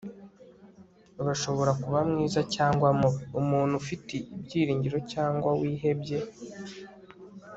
urashobora kuba mwiza cyangwa mubi; umuntu ufite ibyiringiro cyangwa wihebye